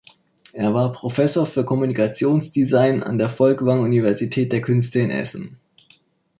Er war Professor für Kommunikationsdesign an der Folkwang Universität der Künste in Essen.